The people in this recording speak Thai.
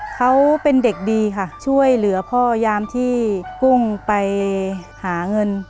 เขาเป็นเด็กดีค่ะช่วยเหลือพ่อยามที่กุ้งไปหาเงิน